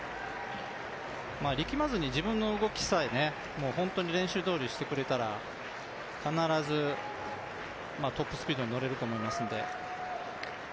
力まずに自分の動きさえ、本当に練習どおりしてくれたら必ず、トップスピードに乗れると思いますので。